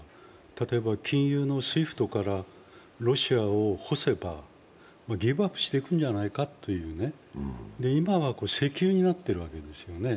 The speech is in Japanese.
例えば、金融のＳＷＩＦＴからロシアを干せば、ギブアップしていくんじゃないかというね、今は石油になってるわけですよね。